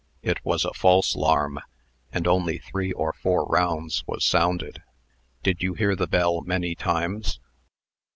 It was a false 'larm, and only three or four rounds was sounded. Did you hear the bell many times?"